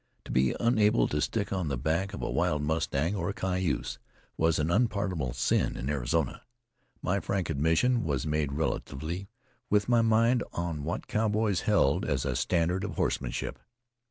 To be unable to stick on the back of a wild mustang, or a cayuse, was an unpardonable sin in Arizona. My frank admission was made relatively, with my mind on what cowboys held as a standard of horsemanship.